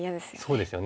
そうですよね。